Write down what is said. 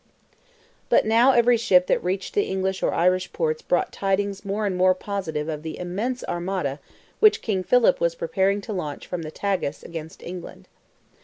But now every ship that reached the English or Irish ports brought tidings more and more positive of the immense armada which King Philip was preparing to launch from the Tagus against England.